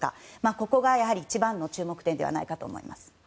ここが一番の注目点ではないかと思います。